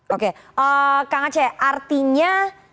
oke kang aceh artinya